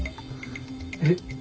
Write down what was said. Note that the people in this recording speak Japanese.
えっ？